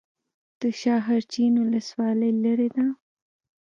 د شاحرچین ولسوالۍ لیرې ده